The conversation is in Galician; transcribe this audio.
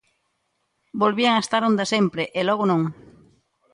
Volvían a estar onda sempre, e logo non.